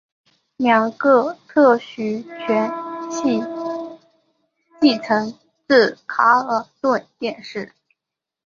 两个特许权系继承自卡尔顿电视。